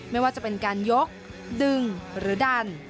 ไม่ว่าจะเป็นการยกดึงหรือดัน